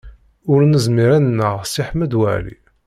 Ur nezmir ad nneɣ Si Ḥmed Waɛli.